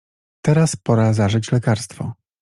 Teraz pora zażyć lekarstwo!